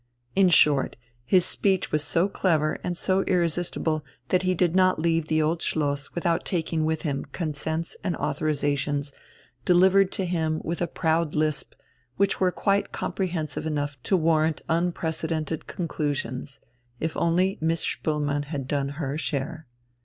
In short, his speech was so clever and so irresistible that he did not leave the Old Schloss without taking with him consents and authorizations, delivered to him with a proud lisp, which were quite comprehensive enough to warrant unprecedented conclusions, if only Miss Spoelmann had done her share.